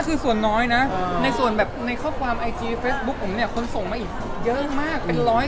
คือส่วนน้อยนะในส่วนแบบในข้อความไอจีเฟซบุ๊คผมเนี่ยคนส่งมาอีกเยอะมากเป็นร้อย